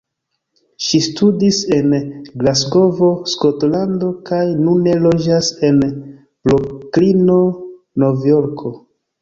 Ŝi studis en Glasgovo, Skotlando, kaj nune loĝas en Broklino, Novjorko.